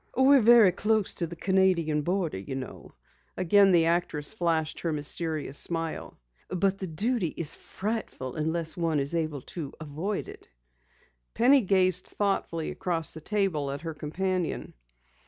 "We're very close to the Canadian border, you know." Again the actress flashed her mysterious smile. "But the duty is frightful unless one is able to avoid it." Penny gazed thoughtfully across the table at her companion.